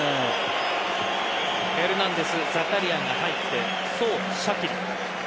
フェルナンデスザカリアが入ってシャキリ。